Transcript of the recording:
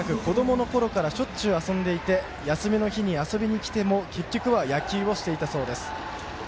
家が近く、子どものころからしょっちゅう遊んでいて休みの日に遊びに来ても結局は野球をしていたそうです。